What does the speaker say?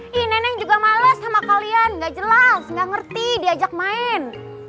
hy neneng juga males sama kalian gak jelas nggak ngerti diajak main